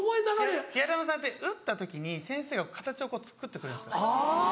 ヒアルロン酸って打った時に先生が形をつくってくれるんです。